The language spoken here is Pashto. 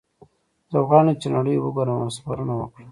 زه غواړم چې نړۍ وګورم او سفرونه وکړم